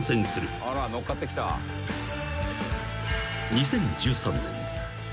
［２０１３年］